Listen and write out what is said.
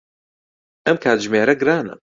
ئەم کاتژمێرە گرانە.